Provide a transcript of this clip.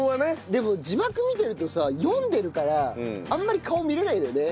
でも字幕見てるとさ読んでるからあんまり顔見れないんだよね